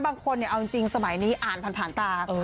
บางคนเอาจริงสมัยนี้อ่านผ่านตา